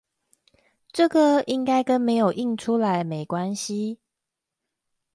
這個應該跟有沒有印出來沒關係